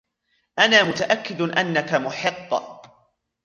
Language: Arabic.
أنا متأكد أنكَ محق.